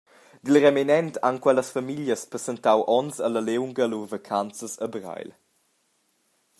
Dil reminent han quellas famiglias passentau onns alla liunga lur vacanzas a Breil.